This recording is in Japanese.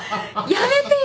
やめてよ。